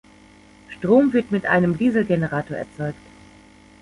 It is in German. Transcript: Strom wird mit einem Dieselgenerator erzeugt.